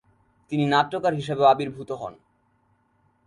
তিনি নাট্যকার হিসেবেও আবির্ভূত হন।